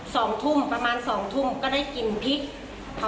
ตอนนี้๒ทุ่มประมาณ๒ทุ่มก็ได้กินพริก